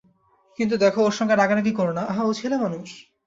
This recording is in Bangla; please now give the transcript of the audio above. কিন্তু দেখো ওর সঙ্গে রাগারাগি কোরো না, আহা ও ছেলেমানুষ!